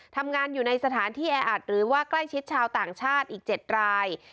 ทำงานอยู่ในสถานที่แออัดหรือว่าใกล้ชิดชาวต่างชาติอีก๗ราย